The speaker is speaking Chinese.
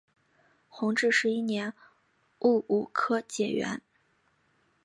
弘治十一年戊午科解元。